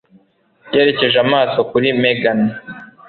Yerekeje amaso kuri Megan.